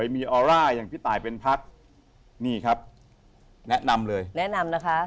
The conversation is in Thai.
มีออร่าอย่างพี่ตายเป็นพักนี่ครับแนะนำเลยแนะนำนะคะ